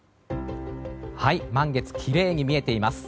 満月きれいに見えています。